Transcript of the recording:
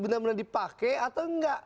benar benar dipakai atau enggak